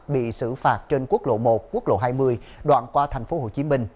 bị xử phạt trên quốc lộ một quốc lộ hai mươi đoạn qua thành phố hồ chí minh